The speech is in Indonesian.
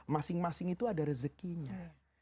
masing masing itu ada rezekinya